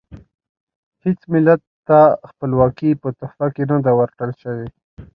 هیڅ ملت ته خپلواکي په تحفه کې نه ده ورکړل شوې.